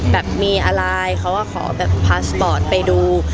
แบบมีอะไรเขาก็ขอแบบพาสปอร์ตไปดู